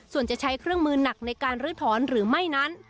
ส่วนจะใช้เครื่องมือหนักในการลื้อถอนหรือไม่นั้น